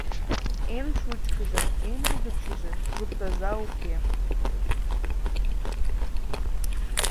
Эн шучкыжо, эн лӱдыктышыжӧ — суртоза уке.